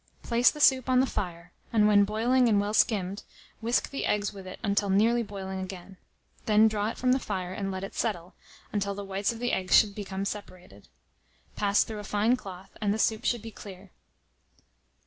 Place the soup on the fire, and when boiling and well skimmed, whisk the eggs with it till nearly boiling again; then draw it from the fire, and let it settle, until the whites of the eggs become separated. Pass through a fine cloth, and the soup should be clear.